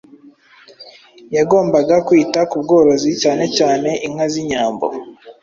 yagombaga kwita ku bworozi, cyane cyane inka z’Inyambo,